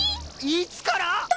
いつから！？